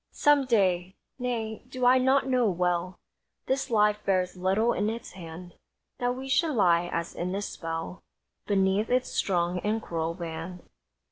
Some day! Nay, do I not know well This life bears little in its hand That we should lie as in a spell Beneath its strong and cruel band.